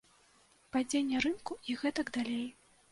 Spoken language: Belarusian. Падзенне рынку і гэтак далей.